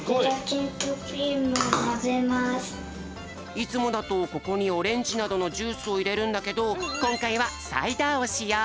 いつもだとここにオレンジなどのジュースをいれるんだけどこんかいはサイダーをしよう！